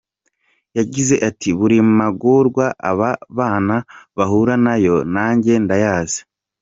Yagize ati “Buri magorwa aba bana bahura nayo nanjye ndayazi.